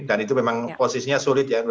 dan itu memang posisinya sulit ya